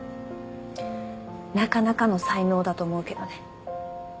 なかなかの才能だと思うけどね。